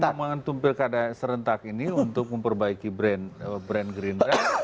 memakai memen tumpil kada serentak ini untuk memperbaiki brand gerindra